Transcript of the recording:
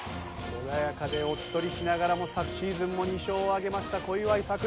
穏やかでおっとりしながらも昨シーズンも２勝を挙げました小祝さくら